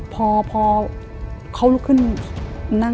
พอเขาลุกขึ้น